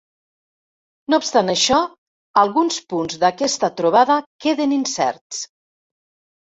No obstant això, alguns punts d'aquesta trobada queden incerts.